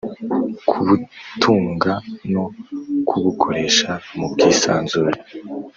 kubutunga no kubukoresha mu bwisanzure